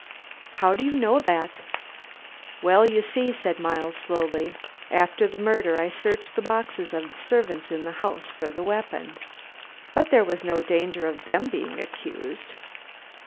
"How do you know that?" "Well, you see," said Miles, slowly. "After the murder I searched the boxes of the servants in the house for the weapon." "But there was no danger of them being accused?"